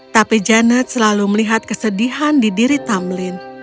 tapi janet selalu melihat kesedihan di diri tamlin